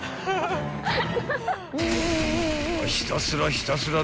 ［ひたすらひたすら］